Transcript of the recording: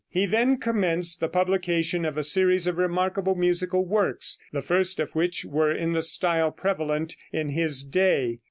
He then commenced the publication of a series of remarkable musical works, the first of which were in the style prevalent in his day.